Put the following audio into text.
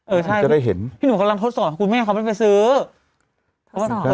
จะได้เห็นพี่หนูกำลังทดสอบคุณแม่เขาไม่ไปซื้อทดสอบ